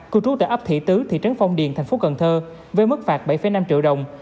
cư trú tại ấp thị tứ thị trấn phong điền thành phố cần thơ với mức phạt bảy năm triệu đồng